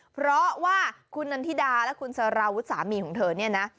เพราะว่าคุณนันทิดาและคุณสารวุฒิสามีของเธอเนี่ยนะ